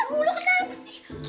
bulu kenapa sih